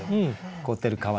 凍ってる川に。